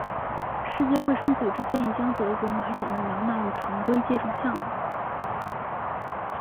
世界卫生组织建议将德国麻疹疫苗纳入常规接种疫苗。